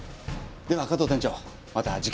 では加藤店長また次回。